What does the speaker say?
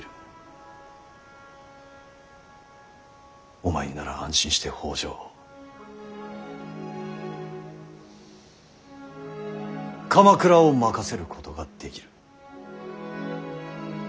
お前になら安心して北条を鎌倉を任せることができる。